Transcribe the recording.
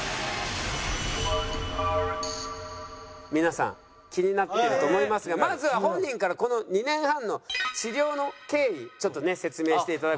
皆さん気になっていると思いますがまずは本人からこの２年半の治療の経緯ちょっとね説明して頂こうと思います。